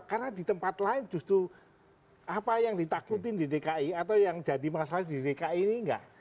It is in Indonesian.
karena di tempat lain justru apa yang ditakutin di dki atau yang jadi masalah di dki ini nggak